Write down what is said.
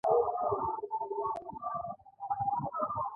هغه د خوښ منظر پر مهال د مینې خبرې وکړې.